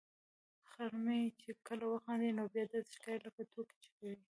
خر مې چې کله وخاندي نو بیا داسې ښکاري لکه ټوکې چې کوي.